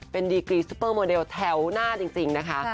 เป็นดีกรีซุปเปอร์โมเดลแถวหน้าจริงนะคะ